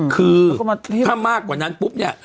คือถ้ามากกว่านั้นปุ๊บเนี่ย